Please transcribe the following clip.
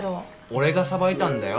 俺がさばいたんだよ。